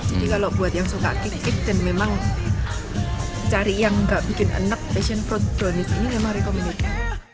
jadi kalau buat yang suka cake cake dan memang cari yang gak bikin enak passion fruit brownies ini memang rekomendasi